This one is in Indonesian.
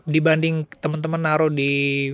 dibanding temen temen naruh di